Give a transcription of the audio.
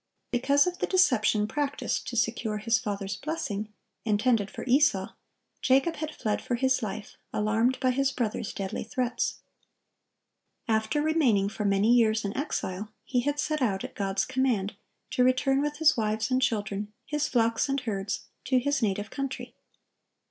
Because of the deception practised to secure his father's blessing, intended for Esau, Jacob had fled for his life, alarmed by his brother's deadly threats. After remaining for many years an exile, he had set out, at God's command, to return with his wives and children, his flocks and herds, to his native country.